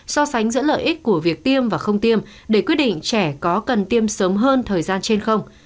so sánh giữa lợi ích của việc tiêm và không tiêm để quyết định trẻ có cần tiêm sớm hơn thời gian trên không